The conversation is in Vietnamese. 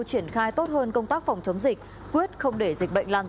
triển khai tốt hơn công tác phòng chống dịch quyết không để dịch bệnh lan